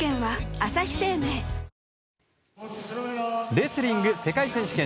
レスリング世界選手権。